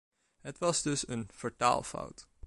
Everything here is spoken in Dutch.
Het was dus een vertaalfout.